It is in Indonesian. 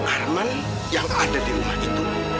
arman yang ada di rumah itu